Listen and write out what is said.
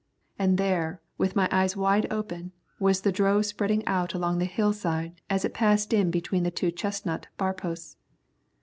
And there, with my eyes wide open, was the drove spreading out along the hillside as it passed in between the two chestnut bar posts.